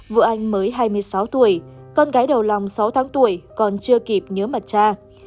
vợ anh mới hai mươi sáu tuổi con gái đầu lòng sáu tháng tuổi còn chưa kịp nhớ mật cha